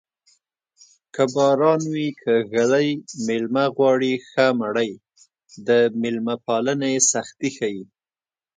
که باران وي که ږلۍ مېلمه غواړي ښه مړۍ د مېلمه پالنې سختي ښيي